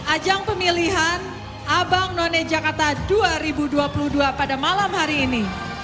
ajang pemilihan abang none jakarta dua ribu dua puluh dua pada malam hari ini